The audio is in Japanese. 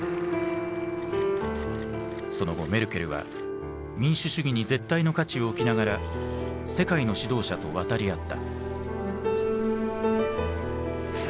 その後メルケルは民主主義に絶対の価値を置きながら世界の指導者と渡り合った。